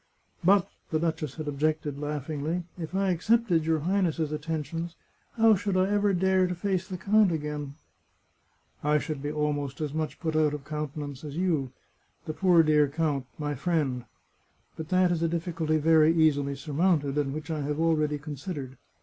" But," the duchess had objected laughingly, " if I ac cepted your Highness's attentions, how should I ever dare to face the count again ?"" I should be almost as much put out of countenance as you. The poor dear count — my friend ! But that is a dif ficulty very easily surmounted, and which I have already considered.